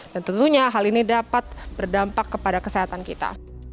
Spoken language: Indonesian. dan tentunya hal ini dapat berdampak kepada kesehatan kita